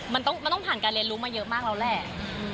มันต้องผ่านการเรียนรู้มาเยอะมากแล้วแหละ